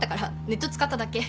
ネット使っただけ。